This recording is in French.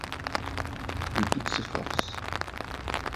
De toutes ses forces.